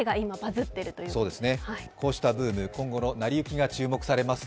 こうしたブーム、今後の成り行きが注目されます。